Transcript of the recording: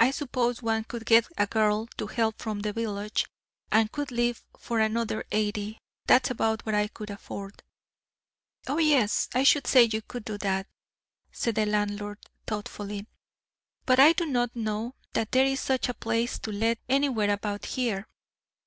I suppose one could get a girl to help from the village, and could live for another eighty. That's about what I could afford." "Oh, yes, I should say you could do that," said the landlord, thoughtfully, "but I don't know that there is any such place to let anywhere about here.